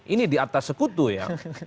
ini di atas sekutu ya